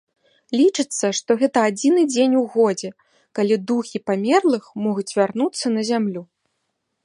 Лічыцца, што гэта адзіны дзень у годзе, калі духі памерлых могуць вярнуцца на зямлю.